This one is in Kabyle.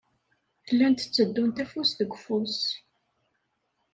Llant tteddunt afus deg ufus.